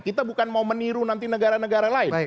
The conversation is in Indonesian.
kita bukan mau meniru nanti negara negara lain